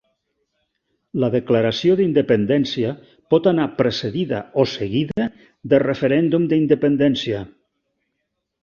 La declaració d'independència pot anar precedida o seguida de referèndum d'independència.